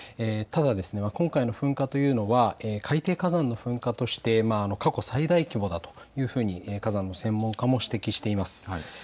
ただ今回の噴火というのは海底火山の噴火として過去最大規模だというふうに火山の専門家も指摘しています。